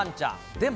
でも。